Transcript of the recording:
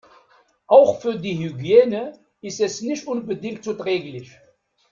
Auch für die Hygiene ist es nicht unbedingt zuträglich.